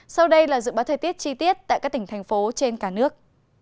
sau đây là dự báo thời tiết chi tiết tại các tỉnh thành phố trên cả nước